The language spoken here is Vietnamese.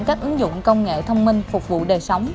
các ứng dụng công nghệ thông minh phục vụ đời sống